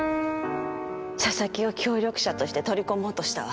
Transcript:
佐々木を協力者として取り込もうとしたわ。